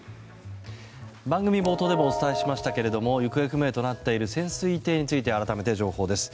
番組冒頭でもお伝えしましたけども行方不明となっている潜水艇について改めて情報です。